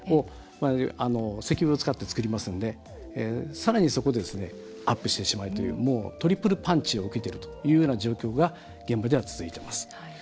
石油を使って作りますのでさらに、そこでアップしてしまうというトリプルパンチを受けているというような状況が現場では続いています。